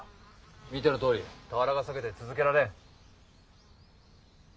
見てのとおり俵が裂けて続けられん。